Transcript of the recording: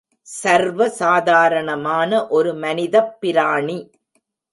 சர்வ சாதாரணமான ஒரு மனிதப் பிராணி.